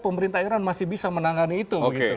pemerintah iran masih bisa menangani itu